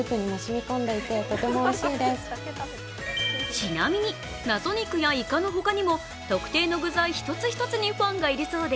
ちなみに、謎肉やイカの他にも特定の具材一つ一つにファンがいるそうで、